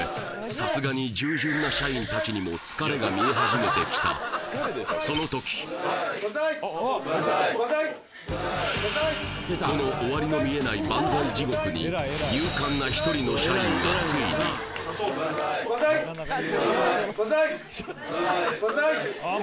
さすがに従順な社員達にも疲れが見え始めてきたその時この終わりの見えないバンザイ地獄に勇敢な一人の社員がついにバンザイバンザイ